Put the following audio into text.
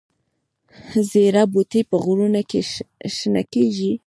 زیره بوټی په غرونو کې شنه کیږي؟